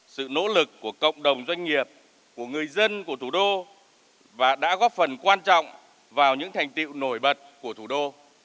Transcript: sự nỗ lực của cộng đồng doanh nghiệp của người dân của thủ đô và đã góp phần quan trọng vào những thành tiệu nổi bật của thủ đô